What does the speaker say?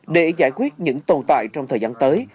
để giải quyết những tồn tại trong thời gian tới